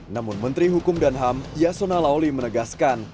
namun menteri hukum dan ham yasona lawli menegaskan